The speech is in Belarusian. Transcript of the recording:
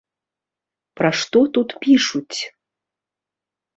Пра што тут пішуць?